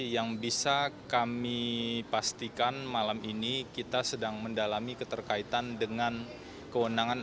yang bisa kami pastikan malam ini kita sedang mendalami keterkaitan dengan kewenangan